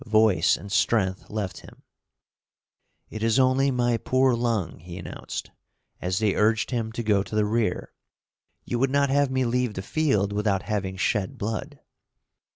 Voice and strength left him. "It is only my poor lung," he announced, as they urged him to go to the rear; "you would not have me leave the field without having shed blood."